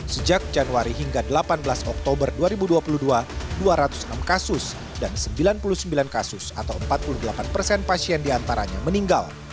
sejak januari hingga delapan belas oktober dua ribu dua puluh dua dua ratus enam kasus dan sembilan puluh sembilan kasus atau empat puluh delapan persen pasien diantaranya meninggal